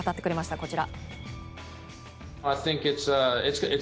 こちら。